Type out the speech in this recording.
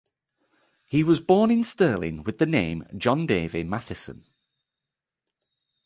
He was born in Stirling with the name John Davie Mathieson.